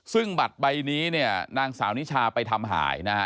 ซึ่งบัตรใบนี้เนี่ยนางสาวนิชาไปทำหายนะฮะ